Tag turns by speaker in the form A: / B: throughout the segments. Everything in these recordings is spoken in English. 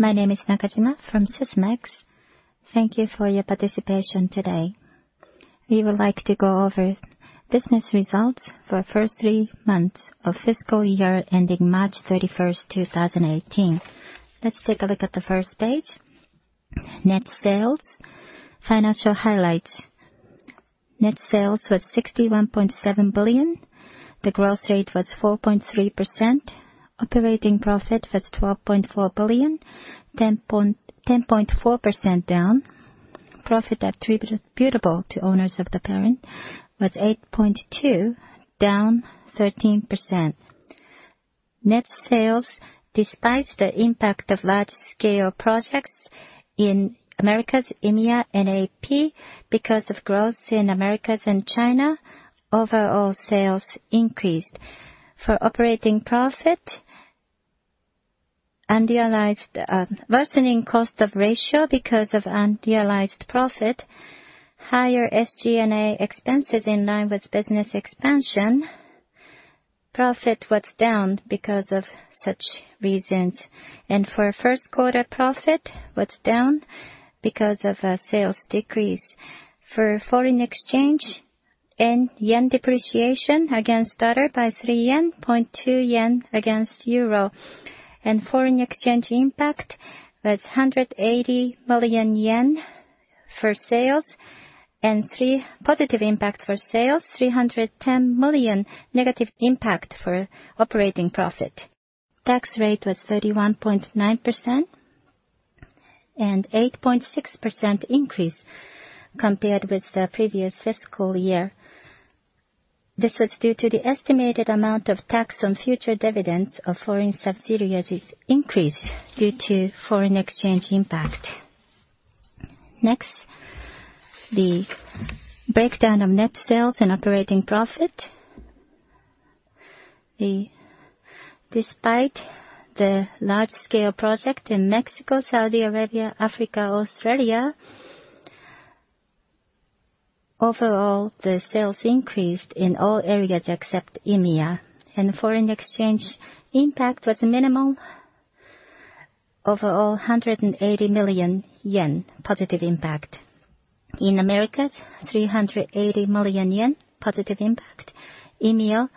A: My name is Nakajima from Sysmex. Thank you for your participation today. We would like to go over business results for first three months of fiscal year ending March 31st, 2018. Let's take a look at the first page. Net sales. Financial highlights. Net sales was 61.7 billion. The growth rate was 4.3%. Operating profit was 12.4 billion, 10.4% down. Profit attributable to owners of the parent was 8.2 billion, down 13%. Net sales, despite the impact of large-scale projects in Americas, EMEA, and AP, because of growth in Americas and China, overall sales increased. For operating profit, unrealized worsening cost of ratio because of unrealized profit, higher SG&A expenses in line with business expansion. Profit was down because of such reasons. For first quarter profit was down because of a sales decrease. For foreign exchange and yen depreciation against dollar by 3 yen, 0.2 yen against EUR. Foreign exchange impact was 180 million yen for sales and positive impact for sales, 310 million negative impact for operating profit. Tax rate was 31.9% and 8.6% increase compared with the previous fiscal year. This was due to the estimated amount of tax on future dividends of foreign subsidiaries increased due to foreign exchange impact. Next, the breakdown of net sales and operating profit. Despite the large-scale project in Mexico, Saudi Arabia, Africa, Australia, overall, the sales increased in all areas except EMEA, and foreign exchange impact was minimal. Overall, 180 million yen positive impact. In Americas, 380 million yen positive impact. EMEA,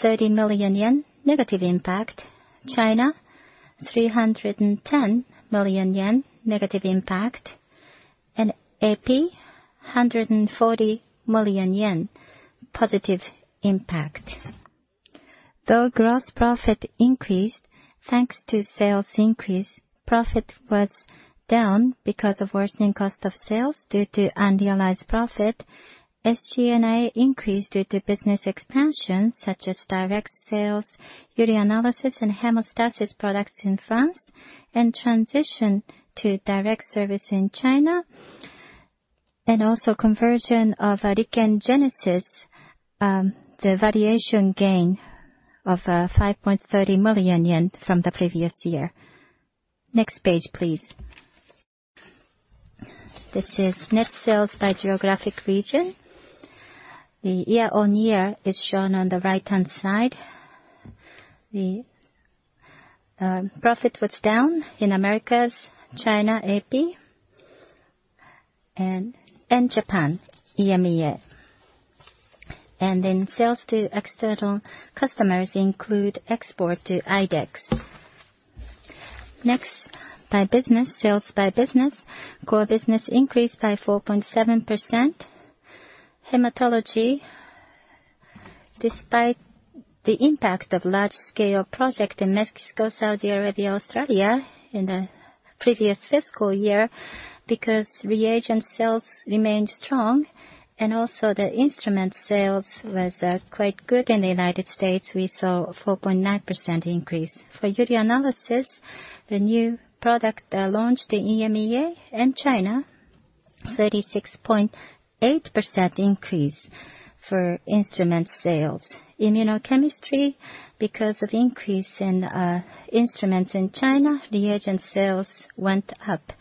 A: 30 million yen negative impact. China, 310 million yen negative impact. AP, 140 million yen positive impact. Though gross profit increased, thanks to sales increase, profit was down because of worsening cost of sales due to unrealized profit. SG&A increased due to business expansion, such as direct sales, urinalysis and hemostasis products in France, and transition to direct service in China, and also conversion of Riken Genesis, the valuation gain of 5.30 million yen from the previous year. Next page, please. This is net sales by geographic region. The year-on-year is shown on the right-hand side. The profit was down in Americas, China, AP, and Japan, EMEA. Sales to external customers include export to IDEXX. Sales by business. Core business increased by 4.7%. Hematology, despite the impact of large-scale project in Mexico, Saudi Arabia, Australia in the previous fiscal year, because reagent sales remained strong and also the instrument sales was quite good in the United States, we saw 4.9% increase. For urinalysis, the new product launched in EMEA and China, 36.8% increase for instrument sales. Immunochemistry, because of increase in instruments in China, reagent sales went up.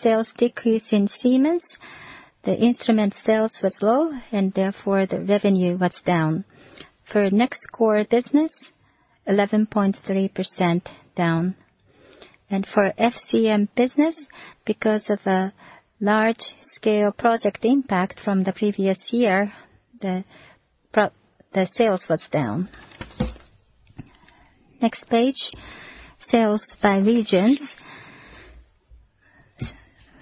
A: Sales decreased in Siemens. The instrument sales was low, and therefore the revenue was down. For next core business, 11.3% down. FCM business, because of a large-scale project impact from the previous year, the sales was down. Next page, sales by regions.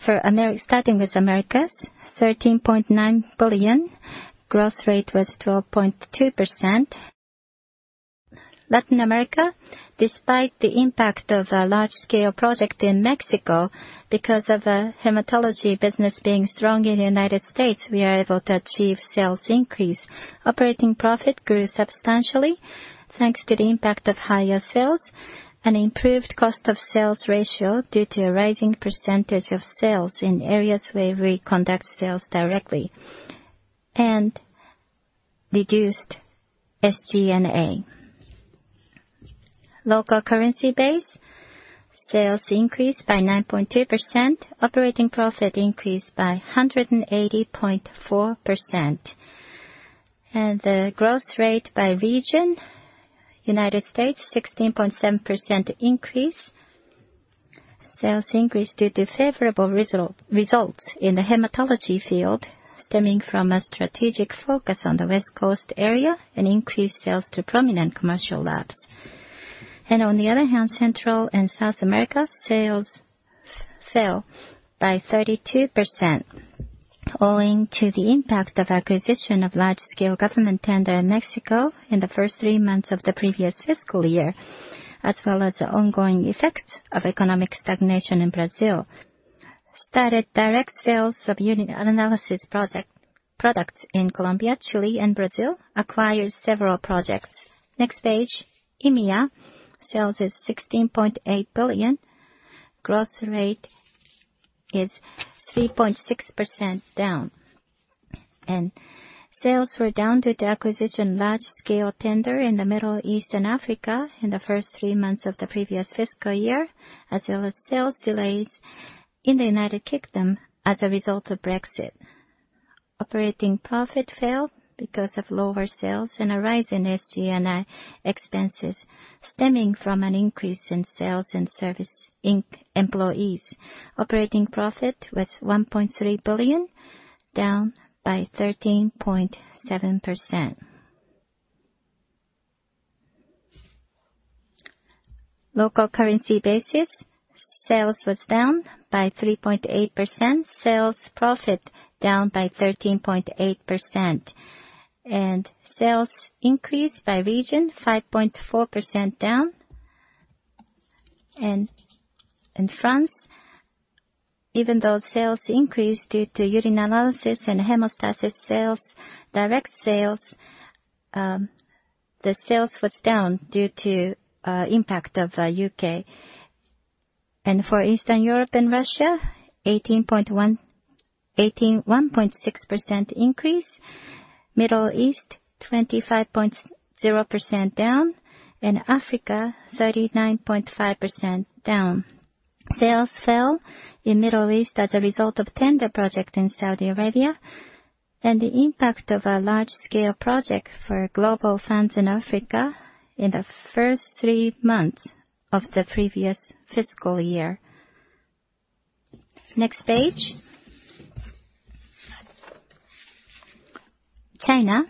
A: Starting with Americas, 13.9 billion. Growth rate was 12.2%. Latin America, despite the impact of a large-scale project in Mexico, because of the hematology business being strong in the United States, we are able to achieve sales increase. Operating profit grew substantially, thanks to the impact of higher sales and improved cost of sales ratio due to a rising percentage of sales in areas where we conduct sales directly and reduced SG&A. Local currency base, sales increased by 9.2%. Operating profit increased by 180.4%. The growth rate by region, U.S. 16.7% increase. Sales increased due to favorable results in the hematology field, stemming from a strategic focus on the West Coast area and increased sales to prominent commercial labs. On the other hand, Central and South America sales fell by 32%, owing to the impact of acquisition of large-scale government tender in Mexico in the first three months of the previous fiscal year, as well as the ongoing effects of economic stagnation in Brazil. Started direct sales of urinalysis products in Colombia, Chile, and Brazil. Acquired several projects. Next page. EMEA sales is 16.8 billion. Growth rate is 3.6% down. Sales were down due to acquisition large-scale tender in the Middle East and Africa in the first three months of the previous fiscal year, as well as sales delays in the U.K. as a result of Brexit. Operating profit fell because of lower sales and a rise in SG&A expenses, stemming from an increase in sales and service employees. Operating profit was 1.3 billion, down by 13.7%. Local currency basis, sales was down by 3.8%, sales profit down by 13.8%, sales increased by region 5.4% down. In France, even though sales increased due to urinalysis and hemostasis sales, direct sales, the sales was down due to impact of U.K. For Eastern Europe and Russia, 18.6% increase. Middle East, 25.0% down. Africa, 39.5% down. Sales fell in Middle East as a result of tender project in Saudi Arabia and the impact of a large-scale project for Global Fund in Africa in the first three months of the previous fiscal year. Next page. China.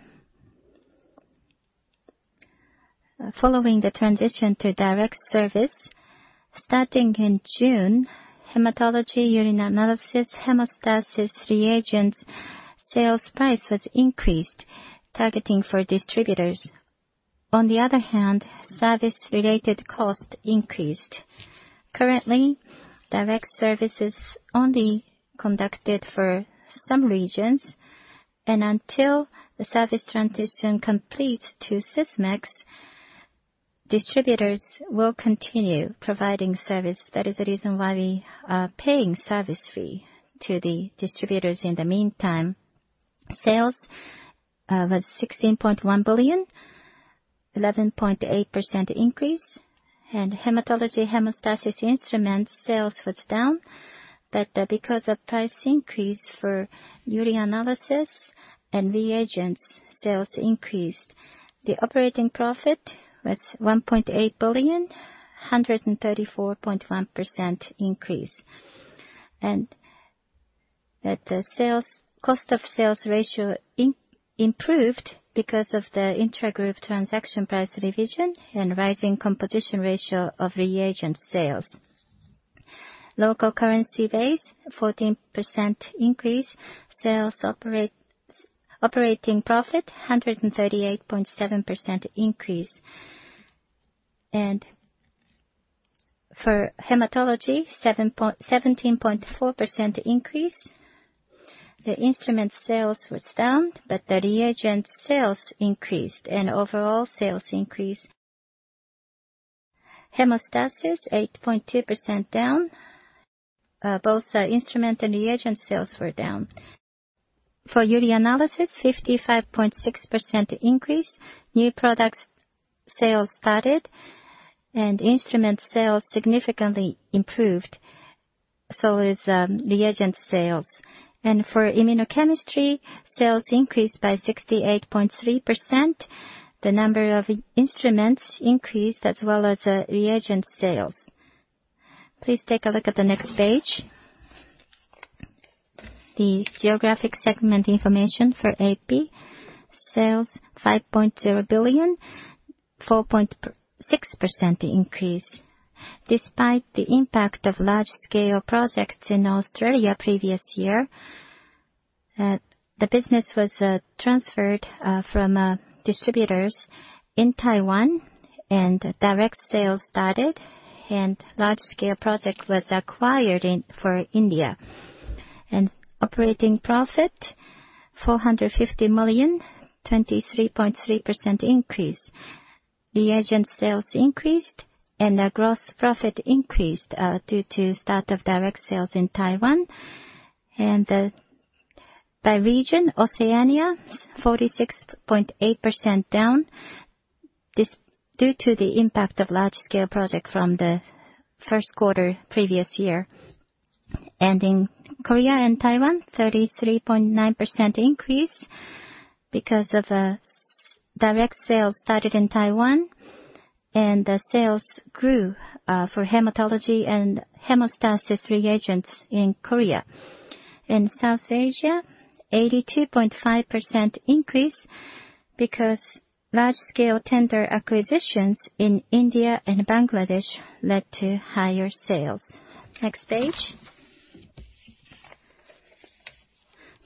A: Following the transition to direct service, starting in June, hematology urinalysis, hemostasis reagents sales price was increased, targeting for distributors. On the other hand, service-related cost increased. Currently, direct service is only conducted for some regions. Until the service transition completes to Sysmex, distributors will continue providing service. That is the reason why we are paying service fee to the distributors in the meantime. Sales was 16.1 billion, 11.8% increase, hematology hemostasis instruments sales was down. Because of price increase for urinalysis and reagents, sales increased. The operating profit was 1.8 billion, 134.1% increase. The cost of sales ratio improved because of the intra-group transaction price revision and rising competition ratio of reagent sales. Local currency base, 14% increase. Sales operating profit, 138.7% increase. For hematology, 17.4% increase. The instrument sales was down, the reagent sales increased and overall sales increased. Hemostasis, 8.2% down. Both the instrument and reagent sales were down. For urinalysis, 55.6% increase. New products sales started and instrument sales significantly improved, so is reagent sales. For immunochemistry, sales increased by 68.3%. The number of instruments increased as well as reagent sales. Please take a look at the next page. The geographic segment information for AP. Sales 5.0 billion, 4.6% increase. Despite the impact of large-scale projects in Australia previous year, the business was transferred from distributors in Taiwan and direct sales started and large-scale project was acquired for India. Operating profit 450 million, 23.3% increase. Reagent sales increased and the gross profit increased due to start of direct sales in Taiwan. By region, Oceania 46.8% down due to the impact of large-scale project from the first quarter previous year. In Korea and Taiwan, 33.9% increase because of direct sales started in Taiwan, and the sales grew for hematology and hemostasis reagents in Korea. In South Asia, 82.5% increase because large-scale tender acquisitions in India and Bangladesh led to higher sales. Next page.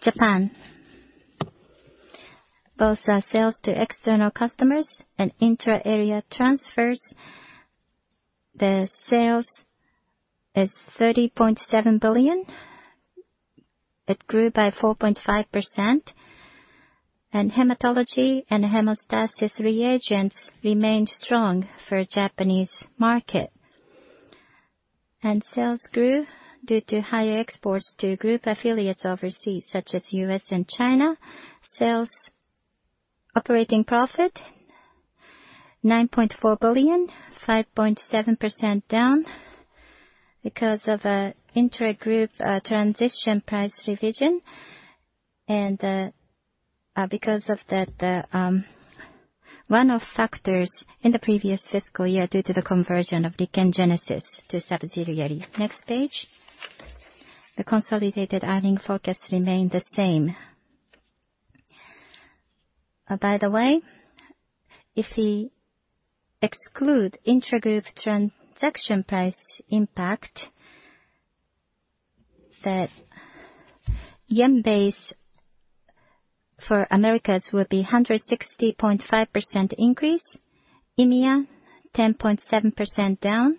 A: Japan. Both our sales to external customers and intra-area transfers, the sales is 30.7 billion. It grew by 4.5%, and hematology and hemostasis reagents remained strong for Japanese market. Sales grew due to higher exports to group affiliates overseas, such as U.S. and China. Sales operating profit 9.4 billion, 5.7% down because of intra-group transition price revision and because of one of factors in the previous fiscal year due to the conversion of RIKEN GENESIS to subsidiary. Next page. The consolidated earning forecast remained the same. By the way, if we exclude intra-group transaction price impact, the JPY base for Americas will be 160.5% increase, EMEA 10.7% down,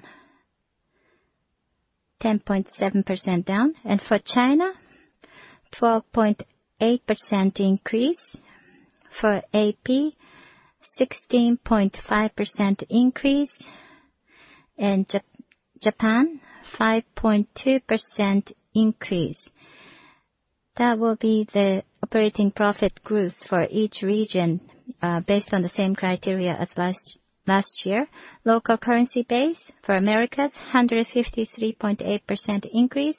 A: and for China 12.8% increase, for AP 16.5% increase, and Japan 5.2% increase. That will be the operating profit growth for each region, based on the same criteria as last year. Local currency base for Americas, 153.8% increase,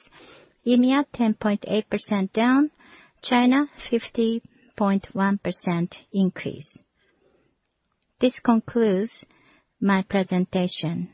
A: EMEA 10.8% down, China 50.1% increase. This concludes my presentation.